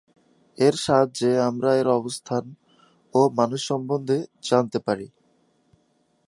এর সাহায্যে আমরা এর অবস্থান ও মানুষ সম্বন্ধে জানতে পারি।